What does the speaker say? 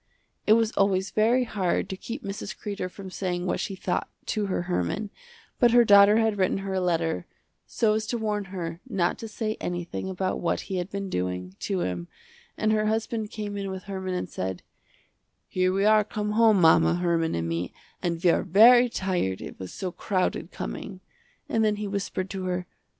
It was always very hard to keep Mrs. Kreder from saying what she thought, to her Herman, but her daughter had written her a letter, so as to warn her not to say anything about what he had been doing, to him, and her husband came in with Herman and said, "Here we are come home mama, Herman and me, and we are very tired it was so crowded coming," and then he whispered to her.